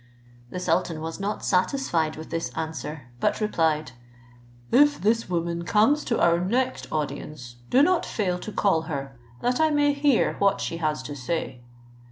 The sultan was not satisfied with this answer, but replied, "If this woman comes to our next audience, do not fail to call her, that I may hear what she has to say."